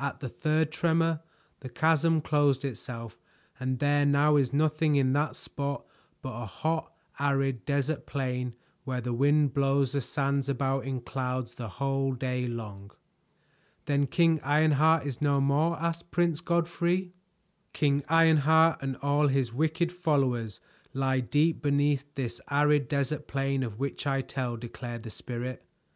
At the third tremor, the chasm closed itself and there now is nothing in that spot but a hot arid desert plain where the wind blows the sands about in clouds the whole day long." "Then King Ironheart is no more?" asked Prince Godfrey. "King Ironheart and all his wicked followers lie deep beneath this arid desert plain of which I tell," declared the Spirit.